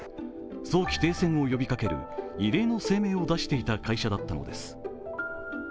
早期停戦を呼びかける異例の声明を出していた会社だったのです。